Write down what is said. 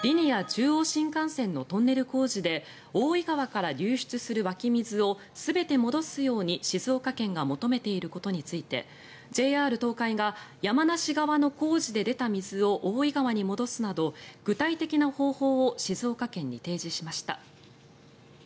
中央新幹線のトンネル工事で大井川から流出する湧き水を全て戻すように静岡県が求めていることについてＪＲ東海が山梨側の工事で出た水を大井川に戻すなど具体的な方法を静岡県に提示しました。